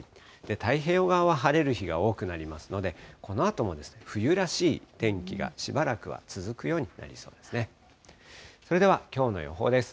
太平洋側は晴れる日が多くなりますので、このあとも冬らしい天気がしばらくは続くようになりそうですね。